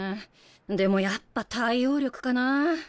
でもやっぱ対応力かな。